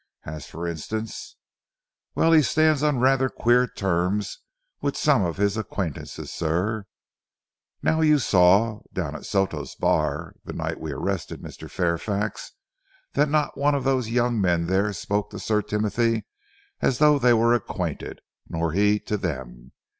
"As, for instance?" "Well, he stands on rather queer terms with some of his acquaintances, sir. Now you saw, down at Soto's Bar, the night we arrested Mr. Fairfax, that not one of those young men there spoke to Sir Timothy as though they were acquainted, nor he to them.